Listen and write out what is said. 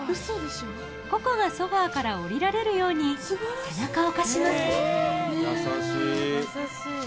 ここがソファから下りられるように背中を貸します優しい。